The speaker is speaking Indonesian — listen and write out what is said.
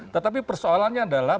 tetapi persoalannya adalah